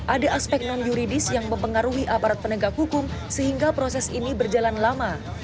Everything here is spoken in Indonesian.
ada aspek non yuridis yang mempengaruhi aparat penegak hukum sehingga proses ini berjalan lama